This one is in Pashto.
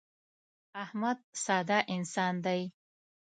احمد ساده انسان دی.